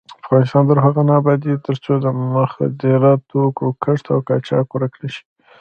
افغانستان تر هغو نه ابادیږي، ترڅو د مخدره توکو کښت او قاچاق ورک نشي.